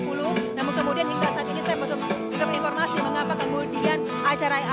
pukul tiga tiga puluh namun kemudian tinggal satu disen untuk menikmati informasi mengapa kemudian acara yang